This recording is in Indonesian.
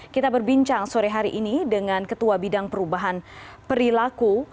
kita berbincang sore hari ini dengan ketua bidang perubahan perilaku